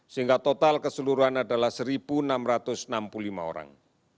sehingga total keseluruhan adalah satu enam ratus enam puluh lima orang